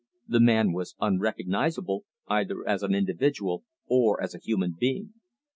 The man was unrecognizable, either as an individual or as a human being.